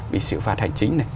bị xử phạt hành chính